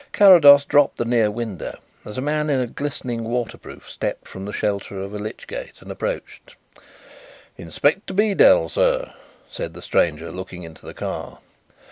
Carrados dropped the near window as a man in glistening waterproof stepped from the shelter of a lich gate and approached. "Inspector Beedel, sir," said the stranger, looking into the car.